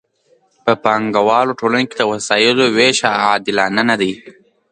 په پانګوالو ټولنو کې د وسایلو ویش عادلانه نه دی.